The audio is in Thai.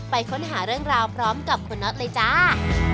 ค้นหาเรื่องราวพร้อมกับคุณน็อตเลยจ้า